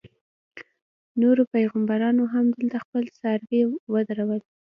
نورو پیغمبرانو هم دلته خپل څاروي ودرول.